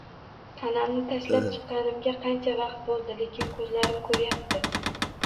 Tanamni tashlab chiqqanimga qancha vaqt bo‘ldi, lekin ko‘zlarim ko‘ryapti